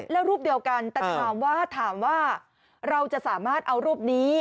ละรูปเดียวกันแต่ถามว่าเราจะสามารถเอารูปนี้